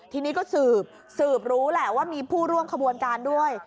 ทีนี้ก็สืบสืบรู้แหละว่ามีผู้ร่วมขบวนการด้วย